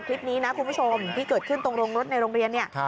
คลิปนี้นะคุณผู้ชมที่เกิดขึ้นตรงโรงรถในโรงเรียนเนี่ย